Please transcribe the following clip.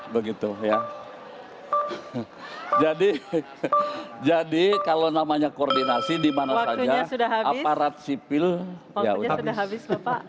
begitu ya jadi jadi kalau namanya koordinasi dimana saja aparat sipil yaudah habis